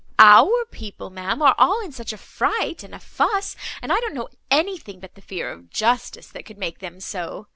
"Why our people, ma'am, are all in such a fright, and a fuss; and I don't know anything but the fear of justice, that could make them so.